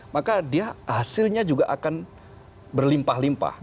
maka dia hasilnya juga akan berlimpah limpah